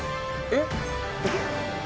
えっ！